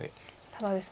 ただですね